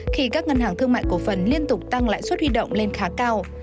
khi các ngân hàng thương mại cổ phần liên tục tăng lãi suất huy động lên khá cao